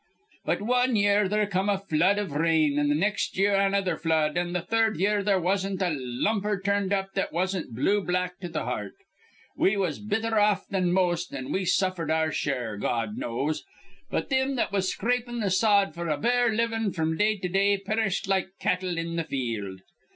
"But wan year there come a flood iv rain, an' th nex' year another flood, an' th' third year there wasn't a lumper turned up that wasn't blue black to th' hear rt. We was betther off than most, an' we suffered our share, Gawd knows; but thim that was scrapin' th' sod f'r a bare livin' fr'm day to day perished like th' cattle in th' field.